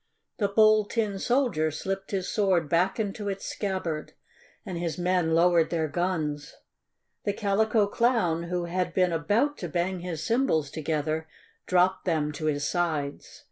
The Bold Tin Soldier slipped his sword back into its scabbard, and his men lowered their guns. The Calico Clown, who had been about to bang his cymbals together, dropped them to his sides.